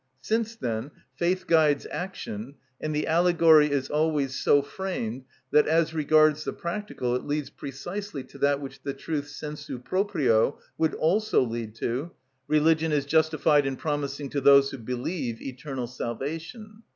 Since, then, faith guides action, and the allegory is always so framed that, as regards the practical, it leads precisely to that which the truth sensu proprio would also lead to, religion is justified in promising to those who believe eternal salvation.